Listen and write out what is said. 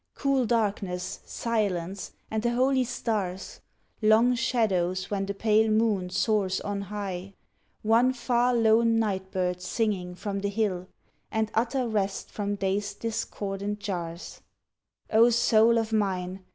Cool darkness, silence, and the holy stars, Long shadows when the pale moon soars on high, One far lone night bird singing from the hill, And utter rest from Day's discordant jars; O soul of mine!